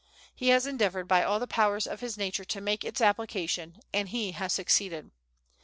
He has endeavored by all the powers of his nature to make its application; and he has succeeded.